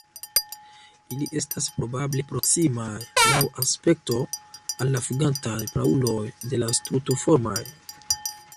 Ili estas probable proksimaj laŭ aspekto al la flugantaj prauloj de la Strutoformaj.